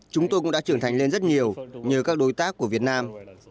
chúng tôi cũng đã trưởng thành lên rất nhiều nhờ các đối tác của việt nam